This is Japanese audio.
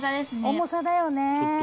重さだよね。